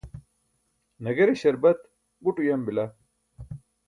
nagare śarbat but uyam bila